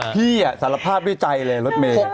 พี่สารภาพด้วยใจเลยรถเมย์